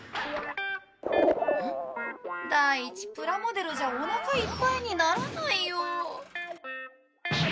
第一プラモデルじゃおなかいっぱいにならないよ。